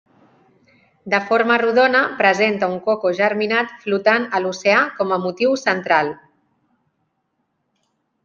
De forma rodona, presenta un coco germinat flotant a l'oceà com a motiu central.